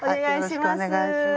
お願いします。